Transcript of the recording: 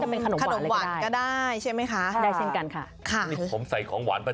ใช่ค่ะแต่ถ้าบอกว่าคุณไม่เป็นหรอกค่ะ